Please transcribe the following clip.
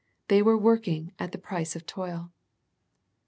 They were working at the price of toil.